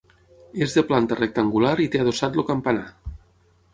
És de planta rectangular i té adossat el campanar.